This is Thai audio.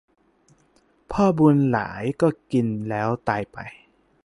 พ่อบุญหลายก็กินแล้วตายไป